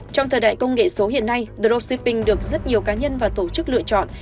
trong thời đại công nghệ số hiện nay drosiping được rất nhiều cá nhân và tổ chức lựa chọn